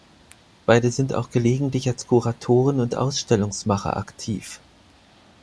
Beide sind auch gelegentlich als Kuratoren und Ausstellungsmacher aktiv.